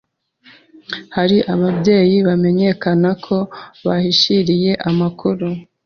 hari ababyeyi bamenyekana ko bahishiriye amakuru